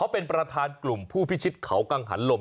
เป็นประธานกลุ่มผู้พิชิตเขากังหันลม